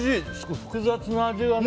複雑な味でね。